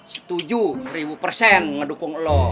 setuju seribu persen ngedukung lo